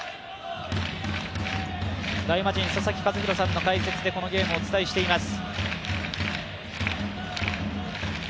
大魔神・佐々木主浩さんの解説でこのゲームお送りしています。